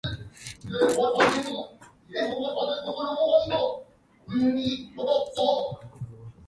His division was sent to Guadalcanal, where he served as an assistant intelligence officer.